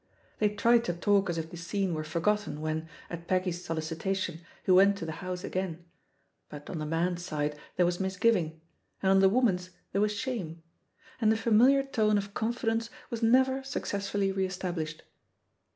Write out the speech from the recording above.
They tried to talk as if the scene were forgotten when, at Peggy's solicita tion, he went to the house again ; but on the man's side there was misgiving, and on the woman's there was shame, and the f amiUar tone of con fidence was never successfully re established.